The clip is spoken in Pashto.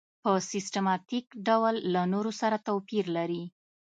په سیستماتیک ډول له نورو سره توپیر لري.